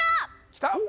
きた！